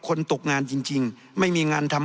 ตกงานจริงไม่มีงานทำ